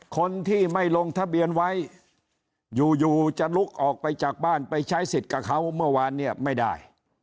คนที่ไม่ลงทะเบียนไว้อยู่จะลุกออกไปจากบ้านไปใช้สิทธิ์กับเขาเมื่อวานเนี่ยไม่ได้